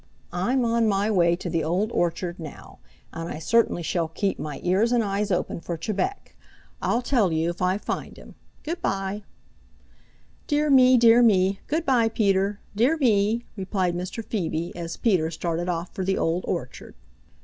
I'm on my way to the Old Orchard now, and I certainly shall keep my ears and eyes open for Chebec. I'll tell you if I find him. Good by." "Dear me! Dear me! Good by Peter. Dear me!" replied Mr. Phoebe as Peter started off for the Old Orchard.